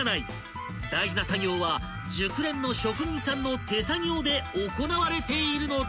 ［大事な作業は熟練の職人さんの手作業で行われているのだ］